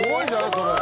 それ。